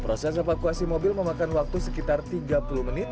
proses evakuasi mobil memakan waktu sekitar tiga puluh menit